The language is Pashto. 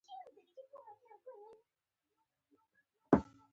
سېرېنا بېرته کمره خپل مخ ته واړوله.